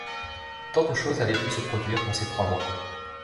Tant de choses avaient pu se produire dans ces trois mois !…